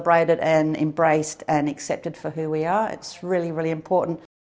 kami tidak berbeda kami mencintai